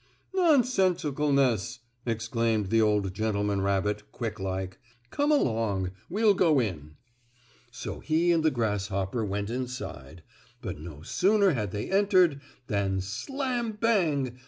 "Nonsensicalness!" exclaimed the old gentleman rabbit, quick like. "Come along. We'll go in." So he and the grasshopper went inside, but no sooner had they entered, than slam bang!